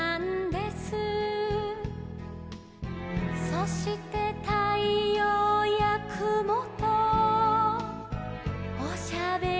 「そしてたいようやくもとおしゃべりしてたんです」